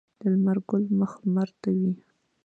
د لمر ګل مخ لمر ته وي.